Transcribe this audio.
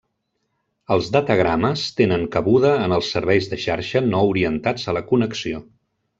Els datagrames tenen cabuda en els serveis de xarxa no orientats a la connexió.